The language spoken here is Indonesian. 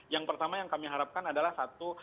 yang pertama yang kami harapkan adalah satu